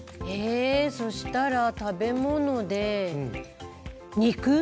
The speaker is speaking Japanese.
えそしたら「食べ物」で「肉」。